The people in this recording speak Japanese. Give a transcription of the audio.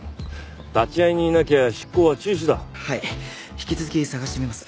引き続き探してみます。